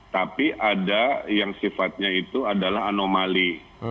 tapi ada yang sifatnya itu adalah anomali